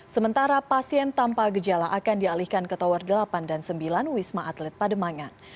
sementara pasien tanpa gejala akan dialihkan ke tower delapan dan sembilan wisma atlet pademangan